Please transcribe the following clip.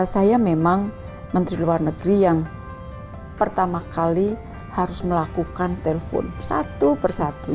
saya memang menteri luar negeri yang pertama kali harus melakukan telpon satu persatu